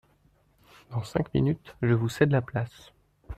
Dans cinq minutes je vous cède la place.